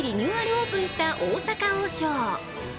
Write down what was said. オープンした大阪王将。